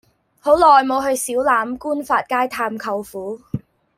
好耐無去小欖冠發街探舅父